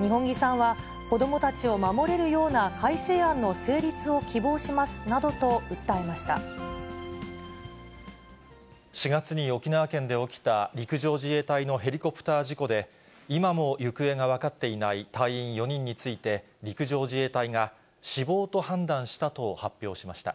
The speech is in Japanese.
二本樹さんは、子どもたちを守れるような改正案の成立を希望しま４月に沖縄県で起きた陸上自衛隊のヘリコプター事故で、今も行方が分かっていない隊員４人について、陸上自衛隊が死亡と判断したと発表しました。